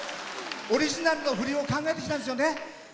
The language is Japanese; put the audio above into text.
オリジナルの振りも考えてきたんですよね。